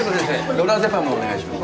ロラゼパムをお願いします。